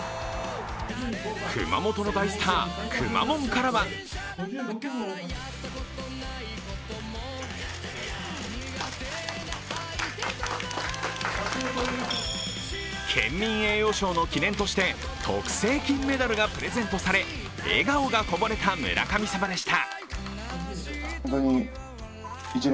熊本の大スターくまモンからは県民栄誉賞の記念として特製金メダルがプレゼントされ笑顔がこぼれた村神様でした。